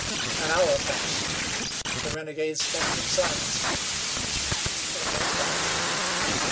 An hour passed; the renegade smoked in silence; the chiefs did likewise.